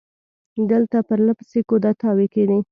دلته پر له پسې کودتاوې کېدې.